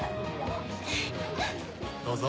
どうぞ。